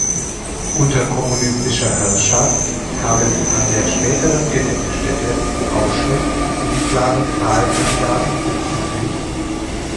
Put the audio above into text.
Unter kommunistischer Herrschaft kam es an der späteren Gedenkstätte Auschwitz zu unklaren Zahlenangaben bzgl.